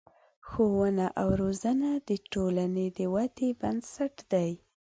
ښوونه او روزنه د ټولنې د ودې بنسټ دی.